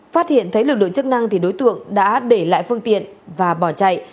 phát hiện thấy lực lượng chức năng thì đối tượng đã để lại phương tiện và bỏ chạy